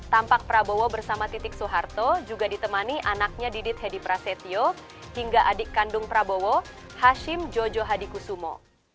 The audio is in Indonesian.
tampak prabowo bersama titik soeharto juga ditemani anaknya didit hedi prasetyo hingga adik kandung prabowo hashim jojo hadikusumo